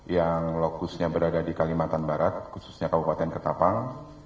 yang lokusnya berada di kalimantan barat khususnya kabupaten ketapang